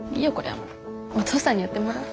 お父さんにやってもらお！